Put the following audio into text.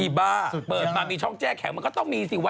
มีบ้าเปิดมามีช่องแจ้แข็งมันก็ต้องมีสิวะ